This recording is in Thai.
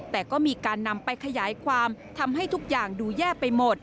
แต่ก็มีการนำไปขยายความทำให้ทุกอย่างดูแย่ไปหมด